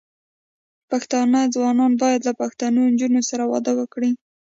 پښتانه ځوانان بايد له پښتنو نجونو سره واده وکړي.